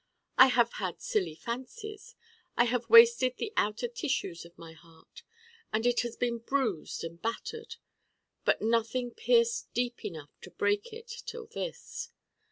I have had silly fancies I have wasted the outer tissues of my Heart, and it has been bruised and battered. But nothing pierced deep enough to break it till this.